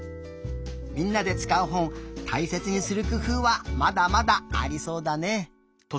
みんなでつかうほんたいせつにするくふうはまだまだありそうだね。